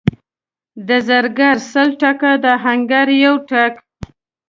د زرګر سل ټکه، د اهنګر یو ټک.